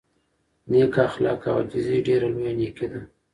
نېک اخلاق او عاجزي ډېره لویه نېکي ده.